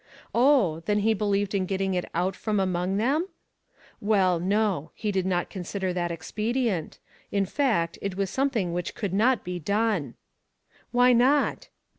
Oh, then he believed in getting it out from among them? Well, no ; he did not consider that ex pedient. In fact, it was something which could not be done. Why not?